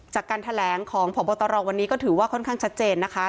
จากการแถลงของพบตรวันนี้ก็ถือว่าค่อนข้างชัดเจนนะคะ